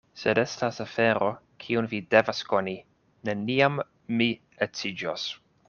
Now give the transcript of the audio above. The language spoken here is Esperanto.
Sed estas afero, kiun vi devas koni: neniam mi edziĝos.